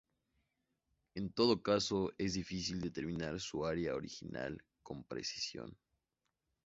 En todo caso es difícil determinar su área original con precisión.